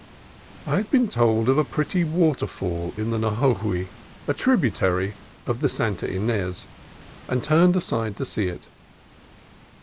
I had been told of a pretty waterfall on the Xo jogui, a tributary of the Santa Ynez. and turned aside to see it.